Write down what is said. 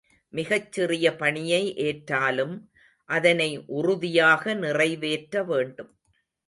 மிகச் சிறிய பணியை ஏற்றாலும் அதனை உறுதியாக நிறைவேற்ற வேண்டும்.